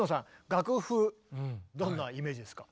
楽譜どんなイメージですか？